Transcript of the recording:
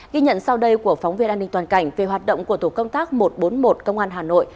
ghi nhận sau đây của phóng viên an ninh toàn cảnh về hoạt động của tổ công tác một trăm bốn mươi một công an hà nội